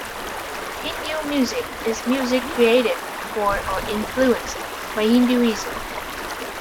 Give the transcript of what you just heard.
Hindu music is music created for or influenced by Hinduism.